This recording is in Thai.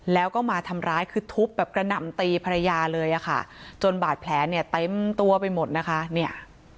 แล้วก็มาทำร้ายคือทุบแบบกระหน่ำตีภรรยาเลยอะค่ะจนบาดแผลเนี่ยเต็มตัวไปหมดนะคะเนี่ย